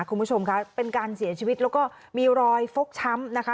คุณผู้ชมค่ะเป็นการเสียชีวิตแล้วก็มีรอยฟกช้ำนะคะ